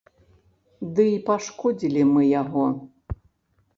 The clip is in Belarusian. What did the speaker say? Дый пашкодзілі мы яго.